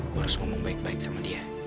gue harus ngomong baik baik sama dia